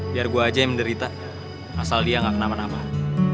biar gua aja yang menderita asal dia gak kenaman naman